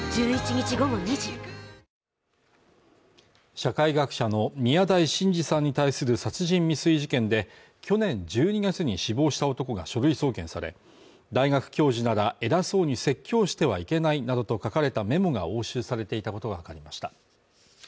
社会学者の宮台真司さんに対する殺人未遂事件で、去年１２月に死亡した男が書類送検され、大学教授なら偉そうに説教してはいけないなどと書かれたメモが押収されていたことがわかりました。